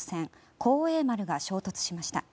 「幸栄丸」が衝突しました。